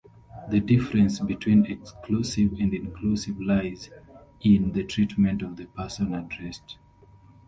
The difference between exclusive and inclusive lies in the treatment of the person addressed.